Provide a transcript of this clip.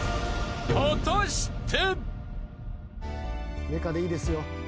［果たして？］